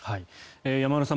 山村さん